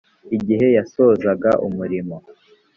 igihe yasohozaga umurimo